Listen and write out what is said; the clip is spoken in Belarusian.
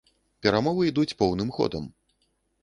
Перамовы ідуць поўным ходам.